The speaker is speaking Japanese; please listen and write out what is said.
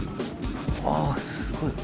ああすごい。